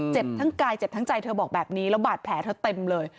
เจ็บทั้งกายเจ็บทั้งใจเธอบอกแบบนี้แล้วบาดแผลเธอเต็มเลย